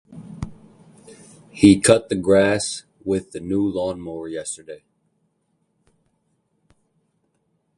He cut the grass with the new lawnmower yesterday.